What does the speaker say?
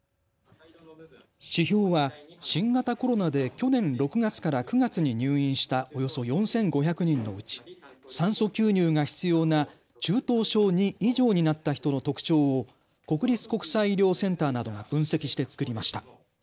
指標は新型コロナで去年６月から９月に入院したおよそ４５００人のうち酸素吸入が必要な中等症２以上になった人の特徴を国立国際医療センターなどが分析して作りました。